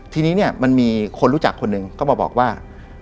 ทีนี้มันมีคนรู้จักคนหนึ่งก็บอกว่า